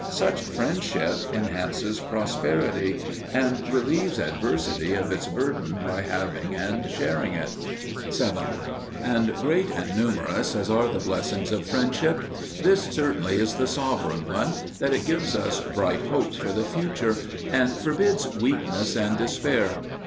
Such friendship enhances prosperity, and relieves adversity of its burden by halving and sharing it. 7. And great and numerous as are the blessings of friendship, this certainly is the sovereign one, that it gives us bright hopes for the future and forbids weakness and despair.